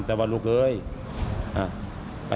นี่แหละตรงนี้แหละ